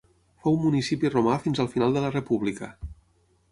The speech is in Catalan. Fou municipi romà fins al final de la República.